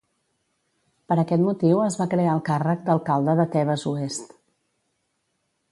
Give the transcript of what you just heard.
Per aquest motiu es va crear el càrrec d'Alcalde de Tebes Oest.